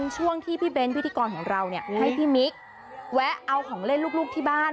ช่วงที่พี่เบ้นพิธีกรของเราให้พี่มิ๊กแวะเอาของเล่นลูกที่บ้าน